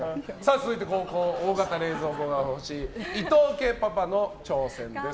続いて、後攻大型冷蔵庫が欲しい伊藤家パパの挑戦です。